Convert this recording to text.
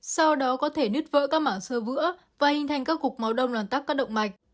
sau đó có thể nứt vỡ các mảng sờ vỡ và hình thành các cục máu đông loàn tắc các động mạch